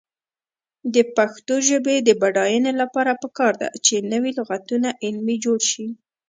د پښتو ژبې د بډاینې لپاره پکار ده چې نوي لغتونه علمي جوړ شي.